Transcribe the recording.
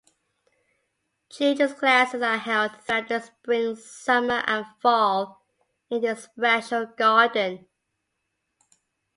Children's classes are held throughout the spring, summer and fall in this special garden.